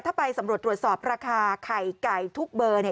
ถ้าไปสำรวจตรวจสอบราคาไข่ไก่ทุกเบอร์เนี่ย